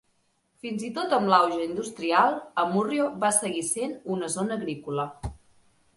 Fins i tot amb l'auge industrial, Amurrio va seguir sent una zona agrícola.